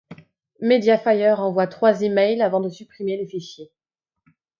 MediaFire envoie trois e-mails avant de supprimer les fichiers.